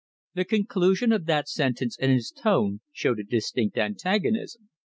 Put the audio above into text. The conclusion of that sentence and its tone showed a distinct antagonism.